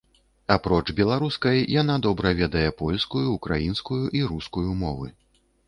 Апроч беларускай, яна добра ведае польскую, украінскую і рускую мовы.